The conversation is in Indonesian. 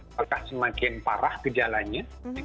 apakah semakin parah gejalanya